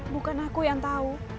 bukan aku yang tau